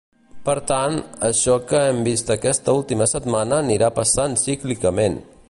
Per tant, això que hem vist aquesta última setmana anirà passant cíclicament.